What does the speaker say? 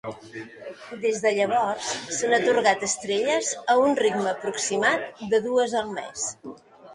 Des de llavors, s'han atorgat estrelles a un ritme aproximat de dues al mes.